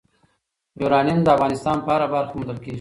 یورانیم د افغانستان په هره برخه کې موندل کېږي.